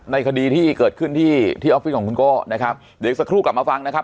ในคดีที่เกิดขึ้นที่ที่ออฟฟิศของคุณโก้นะครับเดี๋ยวอีกสักครู่กลับมาฟังนะครับ